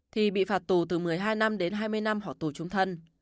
thì bị phạt tù từ một mươi hai năm đến hai mươi năm hoặc tù trung thân